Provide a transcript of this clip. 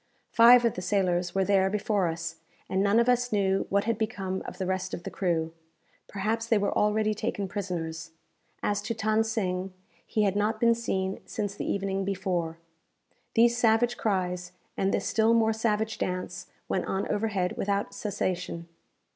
Five of the sailors were there before us, and none of us knew what had become of the rest of the crew perhaps they were already taken prisoners. As to Than Sing, he had not been seen since the evening before. These savage cries, and this still more savage dance, went on overhead without cessation.